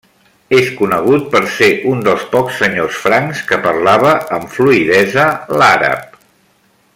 És conegut per ser un dels pocs senyors francs que parlava amb fluïdesa l'àrab.